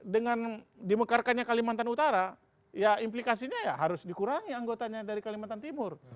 dengan dimekarkannya kalimantan utara ya implikasinya ya harus dikurangi anggotanya dari kalimantan timur